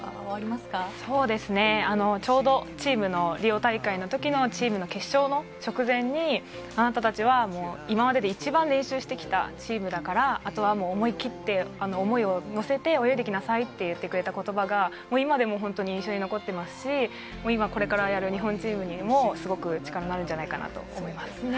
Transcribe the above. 印象に残ちょうどチームのリオ大会の時の決勝の直前に、あなたたちは今までで一番練習してきたチームだからあとは思い切って思いを乗せて泳いできなさいって言ってくれた言葉が今でも本当に印象残っていますし、これからやる日本チームにも力になるんじゃないかなと思います。